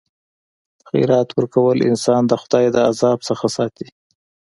خیرات ورکول انسان د خدای د عذاب څخه ساتي.